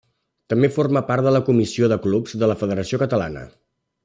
També forma part de la Comissió de Clubs de la Federació Catalana.